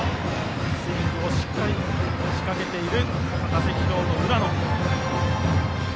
スイングをしっかり仕掛けている打席上の浦野。